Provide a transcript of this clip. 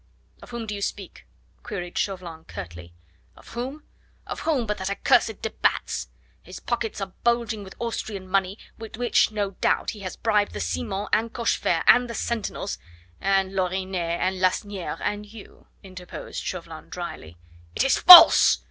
"Of whom do you speak?" queried Chauvelin curtly. "Of whom? Of whom but that accursed de Batz? His pockets are bulging with Austrian money, with which, no doubt, he has bribed the Simons and Cochefer and the sentinels " "And Lorinet and Lasniere and you," interposed Chauvelin dryly. "It is false!"